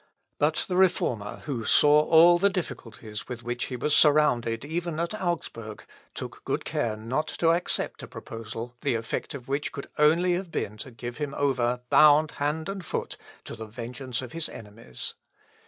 But the Reformer, who saw all the difficulties with which he was surrounded even at Augsburg, took good care not to accept a proposal the effect of which could only have been to give him over, bound hand and foot, to the vengeance of his enemies.